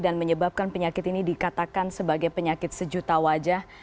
dan menyebabkan penyakit ini dikatakan sebagai penyakit sejuta wajah